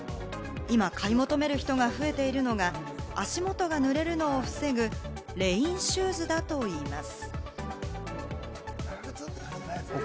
今、買い求める人が増えているのが、足元がぬれるのを防ぐレインシューズだといいます。